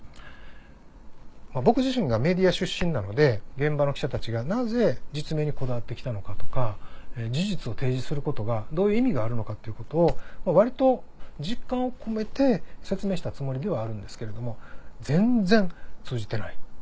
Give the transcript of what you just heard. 僕自身がメディア出身なので現場の記者たちがなぜ実名にこだわって来たのかとか事実を提示することがどういう意味があるのかっていうことを割と実感を込めて説明したつもりではあるんですけれども全然通じてない。